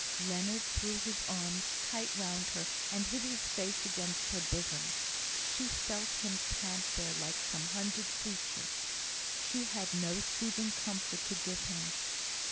Leonard threw his arms tight round her, and hid his face against her bosom. She felt him pant there like some hunted creature. She had no soothing comfort to give him.